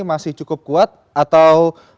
masih cukup kuat atau